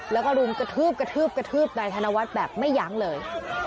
แล้วก็ลุงกระทืบไปธนวัฒน์แบบไม่หยางเลย